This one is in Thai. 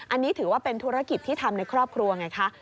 อันนี้ถือว่าเป็นธุรกิจที่ทำในครอบครัวไงคะ